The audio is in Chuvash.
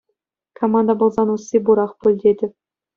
Кама та пулсан усси пурах пуль тетӗп.